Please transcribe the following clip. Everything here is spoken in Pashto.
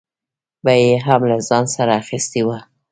به یې هم له ځان سره اخیستې وه.